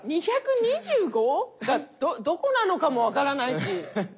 ２２５がどこなのかも分からないし。